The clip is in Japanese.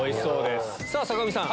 さぁ坂上さん